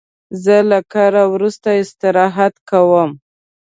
زه له کاره وروسته استراحت کوم.